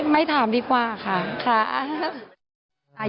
ไม่ถามดีกว่าค่ะ